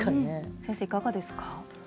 先生いかがですか？